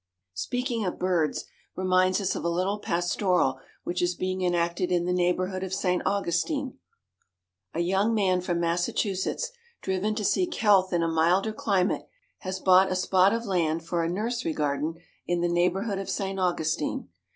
Speaking of birds reminds us of a little pastoral which is being enacted in the neighborhood of St. Augustine. A young man from Massachusetts, driven to seek health in a milder climate, has bought a spot of land for a nursery garden in the neighborhood of St. Augustine.